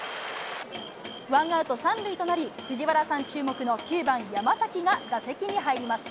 ワンアウト３塁となり、藤原さん注目の９番山崎が打席に入ります。